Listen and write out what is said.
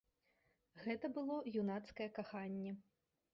Гэта было юнацкае каханне.